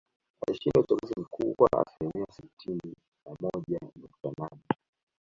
Alishinda uchaguzi mkuu kwa asilimia sitini na moja nukta nane